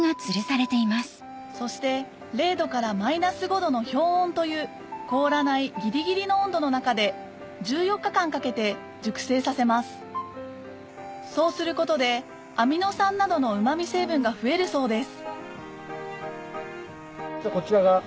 そして０℃からマイナス５℃の氷温という凍らないギリギリの温度の中で１４日間かけて熟成させますそうすることでアミノ酸などのうま味成分が増えるそうです